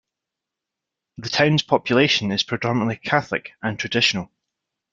The town's population is predominantly Catholic and traditional.